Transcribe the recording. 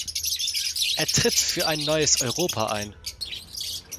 Er tritt für ein neues Europa ein.